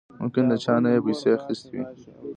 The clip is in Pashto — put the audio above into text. ممکن د چانه يې پيسې اخېستې وي.